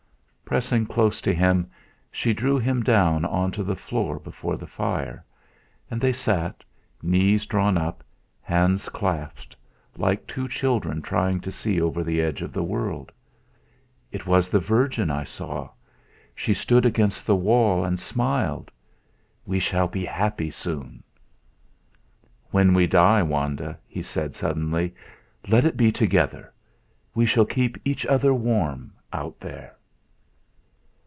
Pressing close to him, she drew him down on to the floor before the fire; and they sat, knees drawn up, hands clasped, like two children trying to see over the edge of the world. "It was the Virgin I saw. She stood against the wall and smiled. We shall be happy soon." "When we die, Wanda," he said, suddenly, "let it be together. We shall keep each other warm, out there."